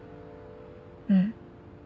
うん。